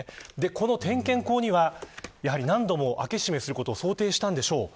この点検口には、何度も開け閉めすることを想定したんでしょう。